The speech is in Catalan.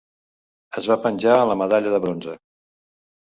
Es va penjar la medalla de bronze.